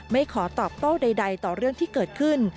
ไม่ขอตอบโต้ใดต่อเรื่องที่เกิดขึ้น